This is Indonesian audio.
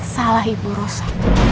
salah ibu rosa